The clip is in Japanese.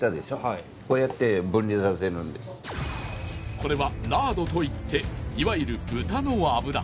これはラードといっていわゆる豚の脂。